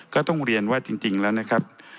ก็ต้องเรียนว่าจริงแล้วนะครับ